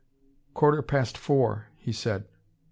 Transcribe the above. "Quarter past four," he said.